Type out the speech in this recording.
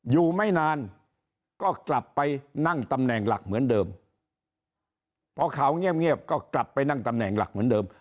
อยู่ไม่นานก็กลับไปนั่งตำแหน่งหลักเหมือนเดิมพอข่าวเงียบก็กลับไปนั่งตำแหน่งหลักเหมือนเดิม